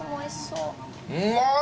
うまい！